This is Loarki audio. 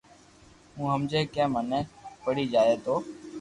تو ھمجي ڪي منين پڙي جائي تو